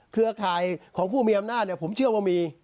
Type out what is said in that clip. เครือข่ายของผู้มีอำนาจผมเชื่อว่ามี